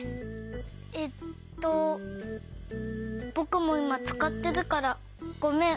えっとぼくもいまつかってるからごめん。